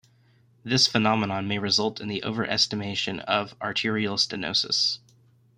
This phenomenon may result in the overestimation of arterial stenosis.